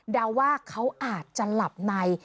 เดาว่าเขาอาจจะหลับใน